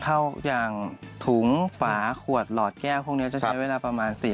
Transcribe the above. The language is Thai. เข้าอย่างถุงฝาขวดหลอดแก้วพวกนี้จะใช้เวลาประมาณ๔๐